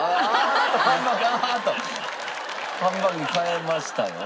ハンバーグに変えましたよ。